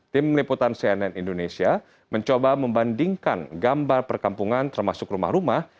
tim liputan cnn indonesia mencoba membandingkan gambar perkampungan termasuk rumah rumah